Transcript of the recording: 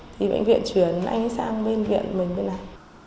thì bệnh viện chuyển anh sang bên viện mình bên này